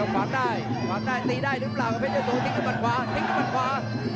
ฝากได้ฝากได้ตีได้ลืมหลังเพชรเจ้าโสทิ้งด้วยมันขวาทิ้งด้วยมันขวา